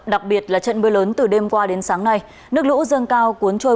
đặc biệt là trận mưa lớn từ đêm qua đến sáng nay nước lũ dâng cao cuốn trôi